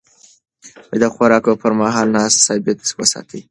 د خوراک پر مهال ناسته ثابته وساتئ.